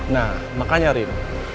nah makanya rin